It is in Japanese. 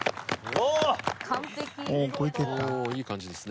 おおいい感じですね。